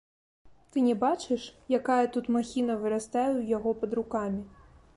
Ты не бачыш, якая тут махіна вырастае ў яго пад рукамі?